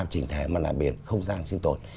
chỉnh thể mà là biển không gian sinh tồn